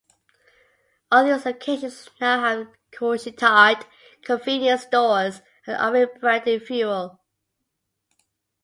All these locations now have Couche-Tard convenience stores and Irving-branded fuel.